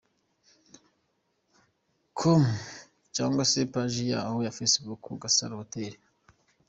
com cyangwa se Paji yayo ya Facebook, Gasaro Hotel.